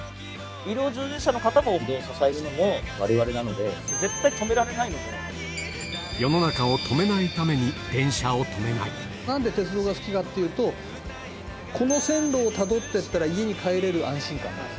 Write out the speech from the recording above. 医療従事者の方の移動を支えるのもわれわれなので、絶対に止世の中を止めないために、なんで鉄道が好きかっていうと、この線路をたどってったら、家に帰れる安心感がある。